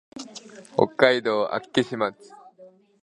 北海道厚岸町